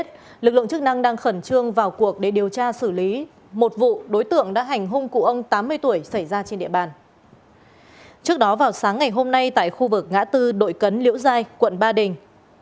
trước đó vào sáng ngày hôm nay tại khu vực ngã tư đội cấn liễu giai quận ba đình